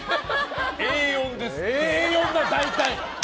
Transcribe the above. Ａ４だよ、大体。